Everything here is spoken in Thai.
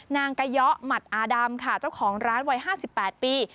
นายกะเยาะหมัดอาดำค่ะเจ้าของร้านวัย๕๘ปี